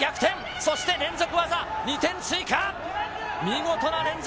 そして連続技、２点追加。